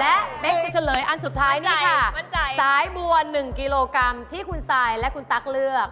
และเป๊กจะเฉลยอันสุดท้ายนี่ค่ะสายบัว๑กิโลกรัมที่คุณซายและคุณตั๊กเลือก